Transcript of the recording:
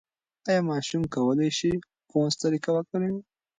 ایا ماشوم کولای شي فونس طریقه وکاروي؟